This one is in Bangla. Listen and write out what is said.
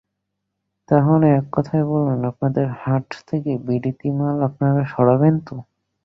তা হলে এক কথায় বলুন, আপনাদের হাট থেকে বিলিতি মাল আপনারা সরাবেন না?